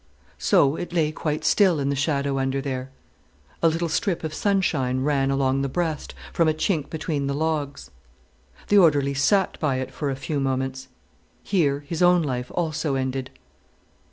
So, it lay quite still in the shadow under there. A little strip of sunshine ran along the breast, from a chink between the logs. The orderly sat by it for a few moments. Here his own life also ended.